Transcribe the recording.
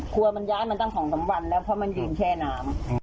วัวมันย้ายมาตั้ง๒๓วันแล้วเพราะมันยืนแช่น้ำ